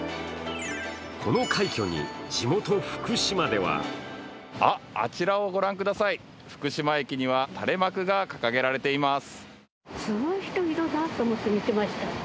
この快挙に地元・福島ではあっ、あちらを御覧ください、福島駅には垂れ幕が掲げられています。